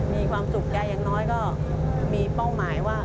มีความสุขใจอย่างน้อยก็มีเป้าหมายว่า